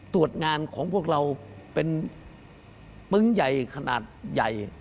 ตรวจงานของพวกเราเป็นปึ๊งใหญ่ขนาดใหญ่